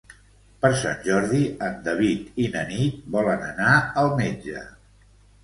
Per Sant Jordi en David i na Nit volen anar al metge.